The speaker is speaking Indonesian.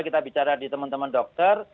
kita bicara di teman teman dokter